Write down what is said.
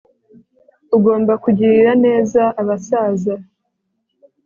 Ugomba kugirira neza abasaza